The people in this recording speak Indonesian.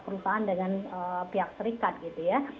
perusahaan dengan pihak serikat gitu ya